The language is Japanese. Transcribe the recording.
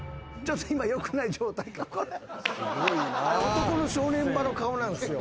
男の正念場の顔なんすよ。